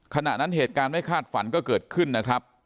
ขณะนั้นเหตุการณ์ไม่คาดฝันก็เกิดขึ้นนะครับ